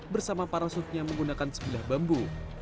bersama parasutnya menggunakan sepilah bambu